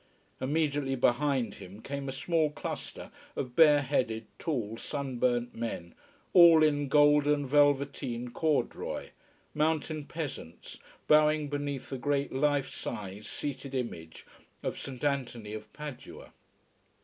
Immediately behind him came a small cluster of bare headed, tall, sunburnt men, all in golden velveteen corduroy, mountain peasants, bowing beneath a great life size seated image of Saint Anthony of Padua.